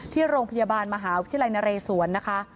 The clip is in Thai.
ที่โรงพยาบาลมหาวิทยาลัยนเรศวรนะคะ